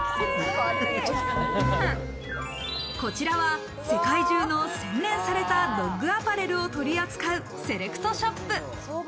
こちらは世界中の洗練されたドッグアパレルを取り扱うセレクトショップ。